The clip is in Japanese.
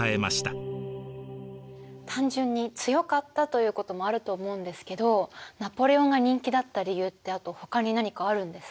単純に強かったということもあると思うんですけどナポレオンが人気だった理由ってあとほかに何かあるんですか？